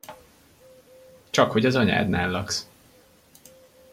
Csakhogy az anyádnál laksz.